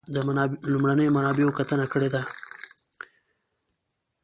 د لومړنیو منابعو ته کتنه کړې ده.